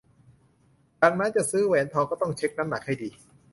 ดังนั้นจะซื้อแหวนทองก็ต้องเช็กน้ำหนักให้ดี